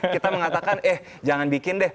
kita mengatakan eh jangan bikin deh